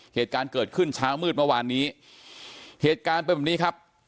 เหตุการณ์เกิดขึ้นเช้ามืดเมื่อวานนี้เหตุการณ์เป็นแบบนี้ครับ